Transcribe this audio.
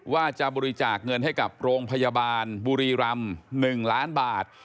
ว่าจะบริจาคเงินให้กับโรงพยาบาลบุรีรำ๑ล้านบาท